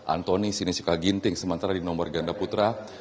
antoni sinisuka ginting sementara di nomor ganda putra